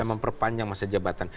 dan memperpanjang masa jabatan